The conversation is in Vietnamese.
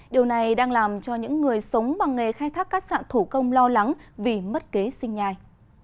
điều này đang làm cho những người sống bằng nghề khai thác cát sản thủ công lo lắng vì mất kế sinh nhai